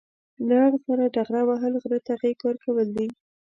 له هغه سره ډغره وهل، غره ته غېږ ورکول دي.